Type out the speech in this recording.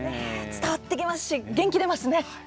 伝わってきますし元気が出ますね。